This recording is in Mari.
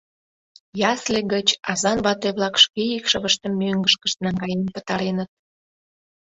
Ясле гыч азан вате-влак шке икшывыштым мӧҥгышкышт наҥгаен пытареныт.